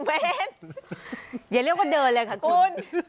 เฟสอย่าเรียกว่าเดินเลยค่ะคุณ